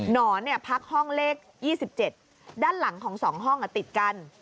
นอนพักห้องเลข๒๗ด้านหลังของ๒ห้องติดกัน